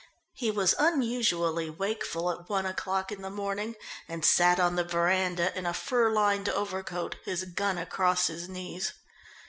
He was unusually wakeful at one o'clock in the morning, and sat on the veranda in a fur lined overcoat, his gun lay across his knees.